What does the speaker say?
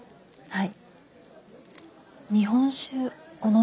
はい。